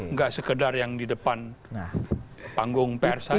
nggak sekedar yang di depan panggung pr saja